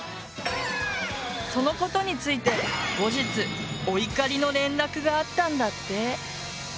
そのことについて後日お怒りの連絡があったんだって。